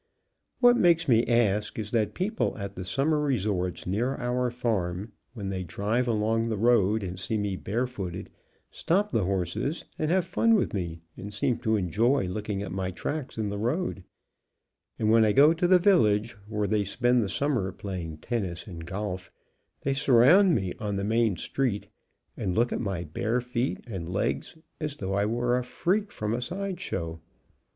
What makes me ask is that people at the summer resorts near our farm, when they drive along the road and see me barefooted, stop the horses and have fun with me, and seem to enjoy looking at my tracks in the road, and when I go to the village where they spend the summer playing tennis and golf, they surround me on the main street and look at my bare feet and legs as though I was a freak from a sideshow.